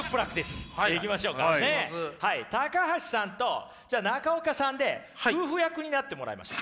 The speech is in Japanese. はい高橋さんとじゃあ中岡さんで夫婦役になってもらいましょう。